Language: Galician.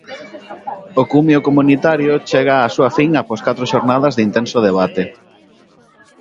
O cumio comunitario chega á súa fin após catro xornadas de intenso debate.